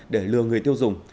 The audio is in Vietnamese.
để lừa người tiêu dùng